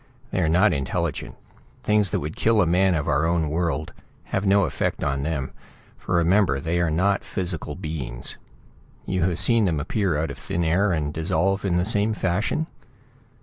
They are not intelligent. Things that would kill a man of our own world have no effect on them, for remember that they are not physical beings. You have seen them appear out of thin air, and dissolve in the same fashion?"